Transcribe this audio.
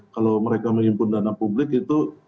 kalau mereka menghimpun dana publik itu